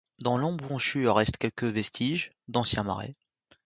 Dans l'embouchure restent quelques vestiges d'anciens marais.